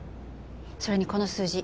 それにこの数字。